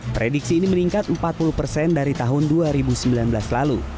prediksi ini meningkat empat puluh persen dari tahun dua ribu sembilan belas lalu